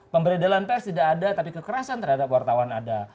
pemberedelan pers tidak ada tapi kekerasan terhadap wartawan ada